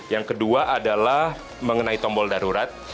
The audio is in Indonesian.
yang kedua adalah mengenai tombol darurat